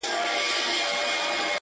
د زنگي لالا واده دئ، غول باسي ننه باسي.